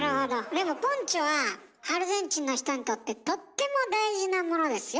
でもポンチョはアルゼンチンの人にとってとっても大事なものですよ？